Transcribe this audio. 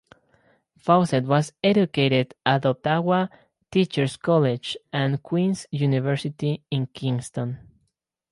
Fawcett was educated at Ottawa Teachers' College and Queen's University in Kingston.